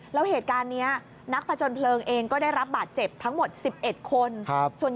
แล้วเหตุการณ์นี้นักผจญเพลิงเองก็ได้รับบาดเจ็บทั้งหมด๑๑คน